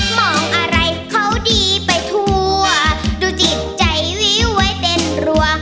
มองอะไรเขาดีไปทั่วดูจิตใจวิวไว้เต้นรัว